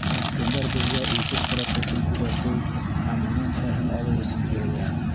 Үткәндәр беҙгә үҫеш процесын күҙәтеү һәм унан фәһем алыу өсөн бирелә.